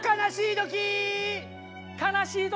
悲しい時。